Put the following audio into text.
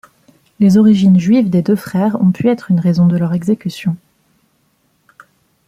Les origines juives des deux frères ont pu être une raison de leur exécution.